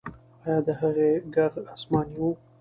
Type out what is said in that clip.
آیا د هغې ږغ آسماني و؟